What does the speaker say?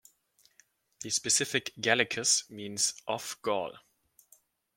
The specific "gallicus" means "of Gaul".